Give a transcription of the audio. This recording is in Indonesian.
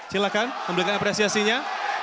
silakan memberikan apresiasinya